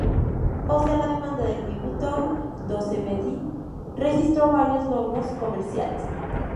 Pese a la demanda de Louis Vuitton, "Do Somethin'" registró varios logros comerciales.